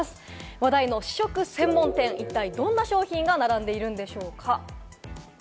話題の試食専門店、一体どんな商品が並んでいるんでしょうか？